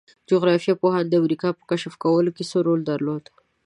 جغرافیه پوهانو د امریکا په کشف کولو کې څه رول درلود؟